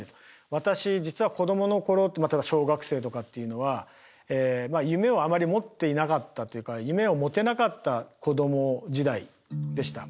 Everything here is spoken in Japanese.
私実は子供の頃例えば小学生とかっていうのは夢をあまり持っていなかったというか夢を持てなかった子供時代でした。